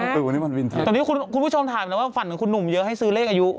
ตอนนี้คุณผู้ชมถามแล้วว่าฝั่นของคุณหนุ่มเยอะให้ซื้อเลขอายุ